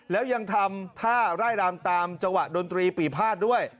แล้วยังทำท่าร่ายรำตามจังหวะดนตรีปีภาษด้วย